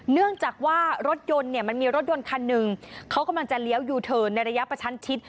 เนื่องจากว่ารถยนต์เนี่ยมันมีรถยนต์คันหนึ่งเขากำลังจะเลี้ยวยูเทิร์นในระยะประชันชิด